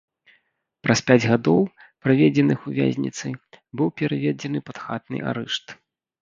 Праз пяць гадоў, праведзеных у вязніцы, быў пераведзены пад хатні арышт.